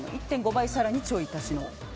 １．５倍、更にちょい足しの。